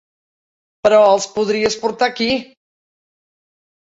Però els podries portar aquí!